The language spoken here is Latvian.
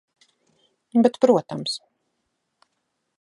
Bet protams.